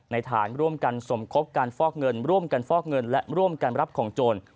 ฐานร่วมกันสมคบการฟอกเงินร่วมกันฟอกเงินและร่วมกันรับของโจร